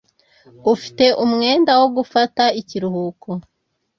Ufite umwenda wo gufata ikiruhuko.